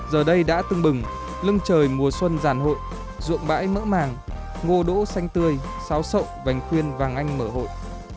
giờ đây đã tưng bừng lưng trời mùa xuân giàn hội ruộng bãi mỡ màng ngô đỗ xanh tươi xáo sậu vành khuyên vàng anh mở hội